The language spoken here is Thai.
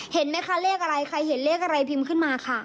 เห็นไหมคะเลขอะไรใครเห็นเลขอะไรพิมพ์ขึ้นมาค่ะ